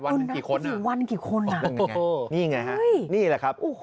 วันกี่คนอ่ะโอ้โฮนี่ไงฮะนี่แหละครับโอ้โฮ